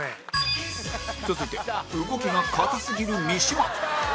続いて動きが硬すぎる三島